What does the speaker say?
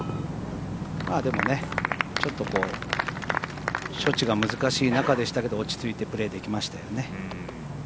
でも、ちょっと処置が難しい中でしたけど落ち着いてプレーできましたよね。